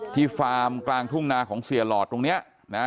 ฟาร์มกลางทุ่งนาของเสียหลอดตรงนี้นะ